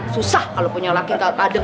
susah kalau punya laki gak ada